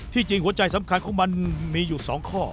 จริงหัวใจสำคัญของมันมีอยู่๒ข้อ